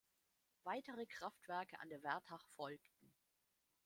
Weitere Kraftwerke an der Wertach folgten.